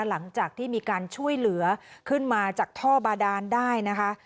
หลังจากที่มีการช่วยเหลือขึ้นมาจากท่อบาดานได้นะคะ